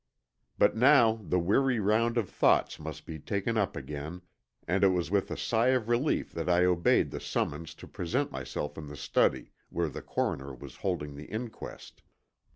But now the weary round of thoughts must be taken up again and it was with a sigh of relief that I obeyed the summons to present myself in the study where the coroner was holding the inquest.